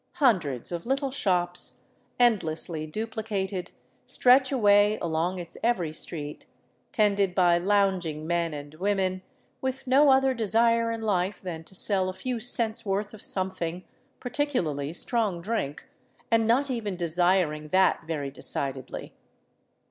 Hundreds of little shops, endlessly duplicated,; stretch away along its every street, tended by lounging men and womed with no other desire In life than to sell a few cents' worth of something,' particularly strong drink, and not even desiring that very decidedly.